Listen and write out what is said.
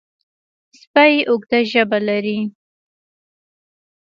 سپي اوږده ژبه لري.